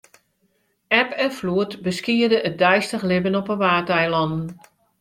Eb en floed beskiede it deistich libben op de Waadeilannen.